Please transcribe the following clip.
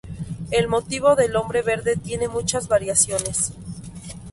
El motivo del hombre verde tiene muchas variaciones.